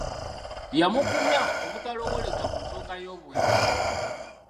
Yamugumya obutalowooleza mu nsonga y'obwenzi.